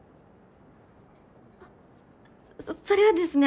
あっそれはですね